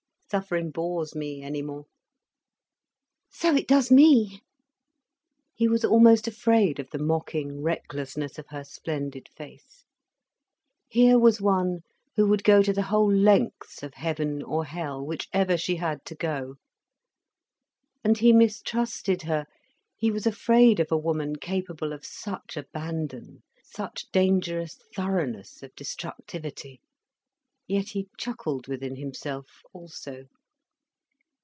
"Suffering bores me, any more." "So it does me." He was almost afraid of the mocking recklessness of her splendid face. Here was one who would go to the whole lengths of heaven or hell, whichever she had to go. And he mistrusted her, he was afraid of a woman capable of such abandon, such dangerous thoroughness of destructivity. Yet he chuckled within himself also.